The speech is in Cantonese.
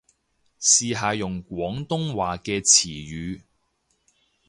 試下用廣東話嘅詞語